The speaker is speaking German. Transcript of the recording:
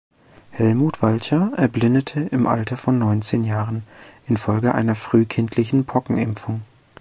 Helmut Walcha erblindete im Alter von neunzehn Jahren infolge einer frühkindlichen Pockenimpfung.